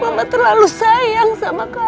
mama terlalu sayang sama kamu